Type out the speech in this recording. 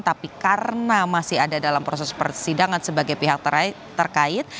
tapi karena masih ada dalam proses persidangan sebagai pihak terkait